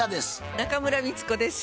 中村美律子です。